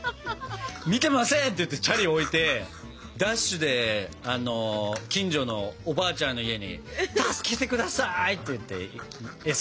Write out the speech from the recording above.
「見てません」って言ってチャリ置いてダッシュで近所のおばあちゃんの家に「助けてください」っていってエスケープした覚えあるね。